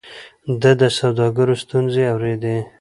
ده د سوداګرو ستونزې اورېدې.